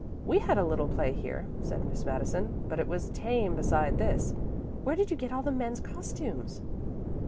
"We had a little play here," said Miss Madison, "but it was tame beside this. Where did you get all the men's costumes?"